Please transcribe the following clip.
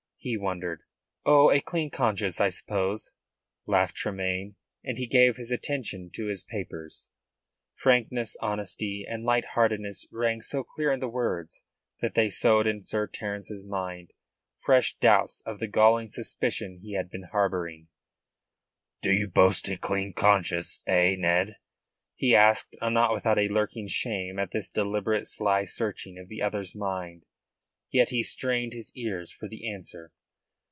he wondered. "Oh, a clean conscience, I suppose," laughed Tremayne, and he gave his attention to his papers. Frankness, honesty and light heartedness rang so clear in the words that they sowed in Sir Terence's mind fresh doubts of the galling suspicion he had been harbouring. "Do you boast a clean conscience, eh, Ned?" he asked, not without a lurking shame at this deliberate sly searching of the other's mind. Yet he strained his ears for the answer.